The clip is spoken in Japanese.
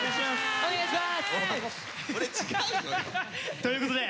お願いします！